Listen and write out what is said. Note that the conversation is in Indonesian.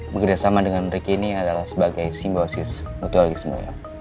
bergerak sama dengan ricky ini adalah sebagai simbosis mutualisme